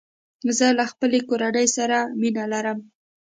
زه له خپلي کورنۍ سره مينه لرم